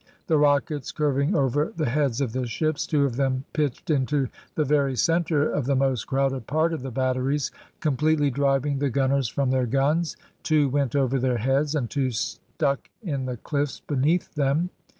The rockets curving over the heads of the ships, two of them pitched into the very centre of the most crowded part of the batteries, completely driving the gunners from their guns, two went over their heads, and two stuck in the cliffs beneath them.